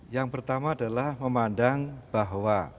yang pertama adalah memandang bahwa